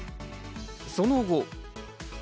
その後。